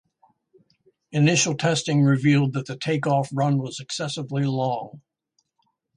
Initial testing revealed that the takeoff run was excessively long.